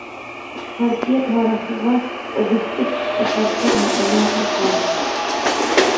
پارتىيە تارىخىغا ئوبيېكتىپ، ئەتراپلىق مۇئامىلە قىلىش لازىم.